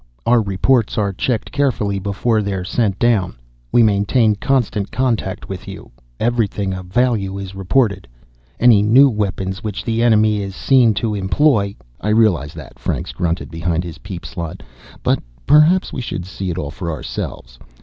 Our reports are checked carefully before they're sent down. We maintain constant contact with you; everything of value is reported. Any new weapons which the enemy is seen to employ " "I realize that," Franks grunted behind his peep slot. "But perhaps we should see it all for ourselves.